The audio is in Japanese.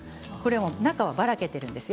中は、ばらけているんですよ。